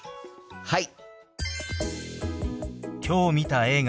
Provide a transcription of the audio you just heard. はい！